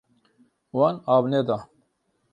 Wan av neda.